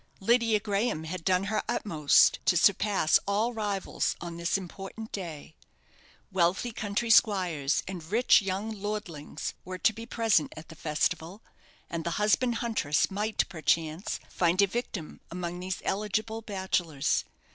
Lydia Graham had done her utmost to surpass all rivals on this important day. Wealthy country squires and rich young lordlings were to be present at the festival, and the husband huntress might, perchance, find a victim among these eligible bachelors.